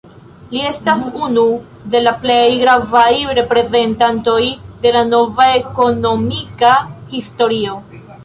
Li estas unu de la plej gravaj reprezentantoj de la "nova ekonomika historio".